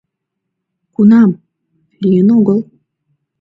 Кунам? — лийын огыл